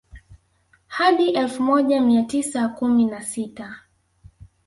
Hadi elfu moja mia tisa kumi na sita